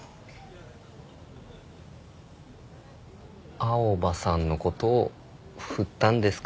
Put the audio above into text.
青羽さんのことを振ったんですか？